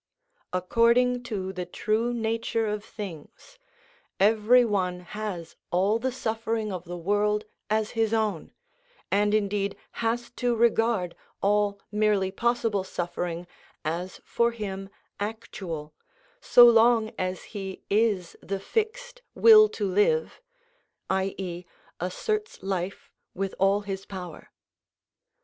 According to the true nature of things, every one has all the suffering of the world as his own, and indeed has to regard all merely possible suffering as for him actual, so long as he is the fixed will to live, i.e., asserts life with all his power.